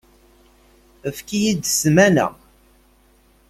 Efk-iyi-d ssmana.